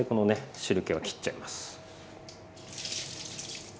汁けはきっちゃいます。